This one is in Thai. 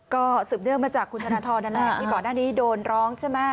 ก็สืบเนื่องมาจากคุณธนทรนั่นแหละมีก่อนหน้านี้โดนร้องใช่ไหม